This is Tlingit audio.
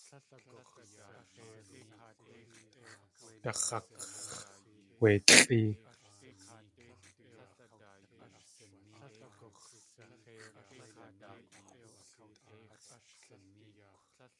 Dax̲ákx̲ wé lʼée.